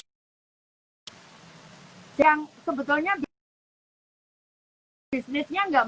yang sebetulnya bisnisnya gak masalah gitu